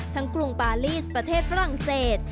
กรุงปาลีสประเทศฝรั่งเศส